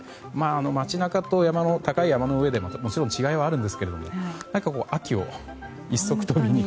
街中と高い山の上でもちろん違いはありますが何か、秋を一足飛びに。